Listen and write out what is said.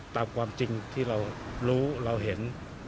ตามความจริงที่เรารู้เราเห็น